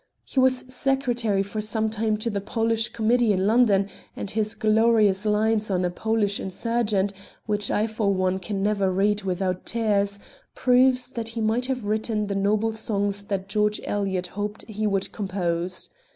He was secretary for some time to the Polish Committee in London, and his glorious lines on "A Polish Insurgent" which I for one can never read without tears, proves that he might have written the noble songs that George Eliot hoped he would compose.